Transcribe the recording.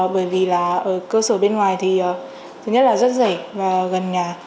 bởi vì là ở cơ sở bên ngoài thì thứ nhất là rất dày và gần nhà